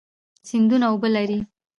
سیندونه اوبه لري.